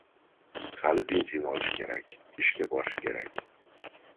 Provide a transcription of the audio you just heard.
Hali benzin olish kerak, ishga borish kerak.